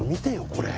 これ。